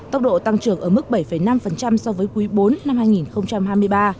tốc độ tăng trưởng ở mức bảy năm so với quý iv năm hai nghìn hai mươi ba